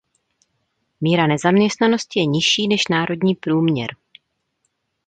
Míra nezaměstnanosti je nižší než národní průměr.